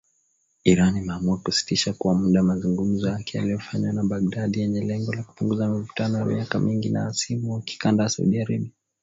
Iran imeamua kusitisha kwa muda mazungumzo yake yaliyofanywa na Baghdad yenye lengo la kupunguza mivutano ya miaka mingi na hasimu wa kikanda Saudi Arabia